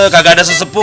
kagak ada sesepuh